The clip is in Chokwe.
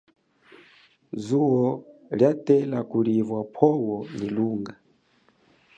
Zuwo lia tela kuliva pwowo nyi lunga.